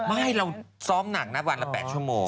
ไม่เราซ้อมหนักนะวันละ๘ชั่วโมง